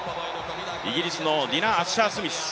イギリスのディナ・アッシャースミス。